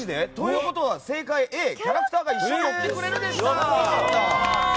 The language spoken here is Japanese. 正解はＡ、キャラクターが一緒に乗ってくれるでした。